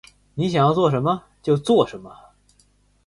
你想要做什么？就做什么